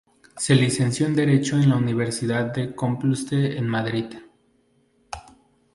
Se licenció en derecho en la Universidad Complutense de Madrid.